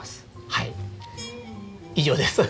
はい以上です。